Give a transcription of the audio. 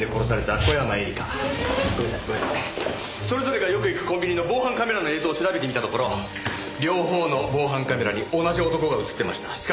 それぞれがよく行くコンビニの防犯カメラの映像を調べてみたところ両方の防犯カメラに同じ男が映ってました。